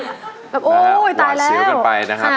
แบบโอ้ยตายแล้ว